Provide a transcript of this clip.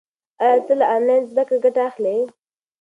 آیا ته له انلاین زده کړې ګټه اخلې؟